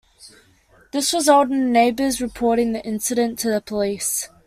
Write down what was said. This resulted in neighbors reporting the incident to the police.